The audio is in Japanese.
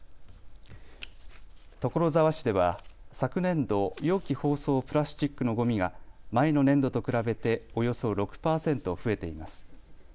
所沢市では昨年度、容器包装プラスチックのごみが前の年度と比べておよそ６％増えています。